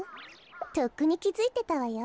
とっくにきづいてたわよ。